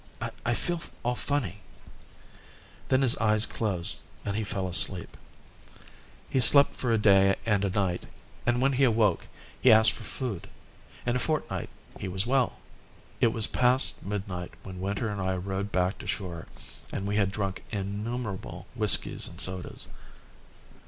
"I feel all funny." Then his eyes closed and he fell asleep. He slept for a day and a night, and when he awoke he asked for food. In a fortnight he was well. It was past midnight when Winter and I rowed back to shore and we had drunk innumerable whiskies and sodas.